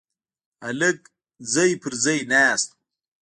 هلک ځای پر ځای ناست و.